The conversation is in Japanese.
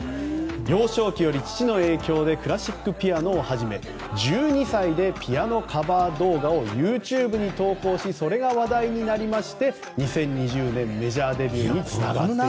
幼少期より父の影響でクラシックピアノを始め１２歳でピアノカバー動画をＹｏｕＴｕｂｅに投稿しそれが話題になりまして２０２０年メジャーデビューにつながるという。